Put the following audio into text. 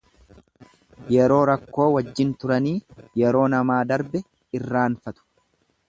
Yeroo rakkoo wajjin turanii yeroo namaa darbe irraanfatu.